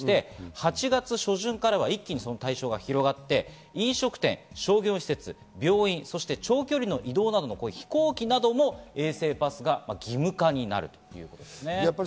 ８月初旬からは一気にその対象が広がって飲食店、商業施設、病院、そして長距離の移動などの飛行機なども衛生パスが義務化になるということです。